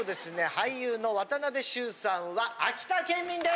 俳優の渡部秀さんは秋田県民です。